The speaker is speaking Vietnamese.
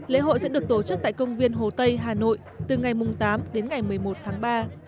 lễ hội sẽ được tổ chức tại công viên hồ tây hà nội từ ngày tám đến ngày một mươi một tháng ba